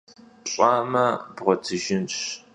Pş'a'ame bğuetıjjınş.